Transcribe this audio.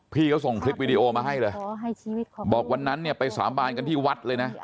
พี่เขาส่งคลิปวิดีโอมาให้เลยบอกวันนั้นเนี่ยไปสาบานกันที่วัดเลยนะ